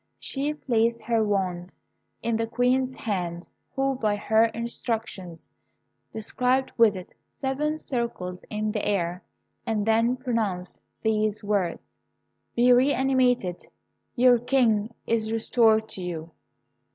She placed her wand in the Queen's hand, who, by her instructions, described with it seven circles in the air, and then pronounced these words: "Be re animated. Your King is restored to you."